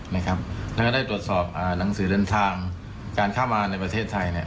แล้วก็ได้ตรวจสอบหนังสือเดินทางการเข้ามาในประเทศไทย